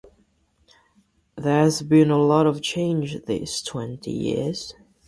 There’s been a lot of change these twenty years.